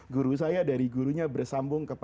guru saya dari gurunya bersambung